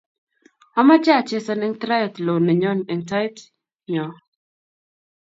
Amache achesan eng triathlon nenyon eng tai yo